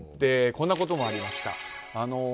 こんなこともありました。